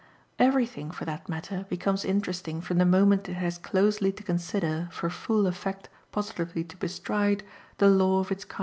Everything, for that matter, becomes interesting from the moment it has closely to consider, for full effect positively to bestride, the law of its kind.